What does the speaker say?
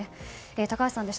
高橋さんでした。